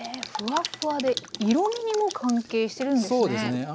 フワフワで色みにも関係してるんですね？